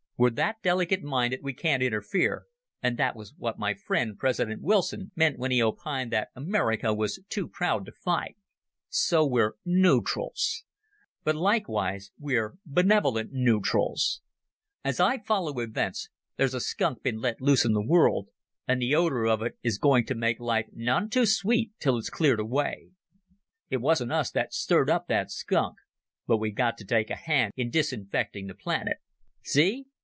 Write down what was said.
We're that delicate minded we can't interfere and that was what my friend, President Wilson, meant when he opined that America was too proud to fight. So we're nootrals. But likewise we're benevolent nootrals. As I follow events, there's a skunk been let loose in the world, and the odour of it is going to make life none too sweet till it is cleared away. It wasn't us that stirred up that skunk, but we've got to take a hand in disinfecting the planet. See?